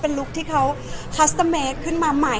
พอเสร็จจากเล็กคาเป็ดก็จะมีเยอะแยะมากมาย